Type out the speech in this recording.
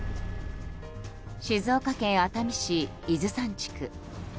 静岡県熱海市伊豆山地区。